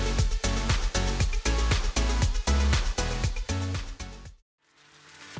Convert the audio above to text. seperti contohnya ada google jadi google review jadi sebelum kita mencari atau ingin datang ke tempat wisata kita cukup searching di google